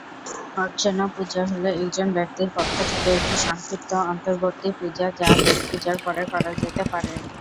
অর্চনা পূজা হল একজন ব্যক্তির পক্ষ থেকে একটি সংক্ষিপ্ত অন্তর্বর্তী পূজা যা মূল পূজার পরে করা যেতে পারে।